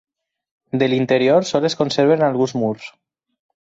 De l'interior sols es conserven alguns murs.